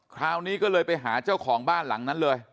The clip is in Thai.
คราวนี้ก็เลยไปหาเจ้าของบ้านหลังนั้นเลย